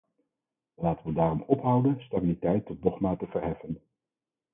Laten we daarom ophouden stabiliteit tot dogma te verheffen.